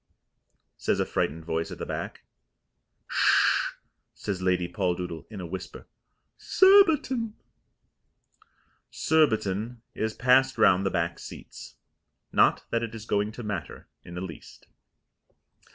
says a frightened voice at the back. "H'sh!" says Lady Poldoodle in a whisper. "Surbiton." "Surbiton" is passed round the back seats. Not that it is going to matter in the least.